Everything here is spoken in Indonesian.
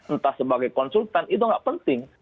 entah sebagai konsultan itu nggak penting